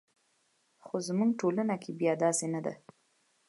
خو زموږ ټولنه کې بیا داسې نه ده.